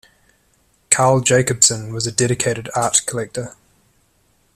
Carl Jacobsen was a dedicated art collector.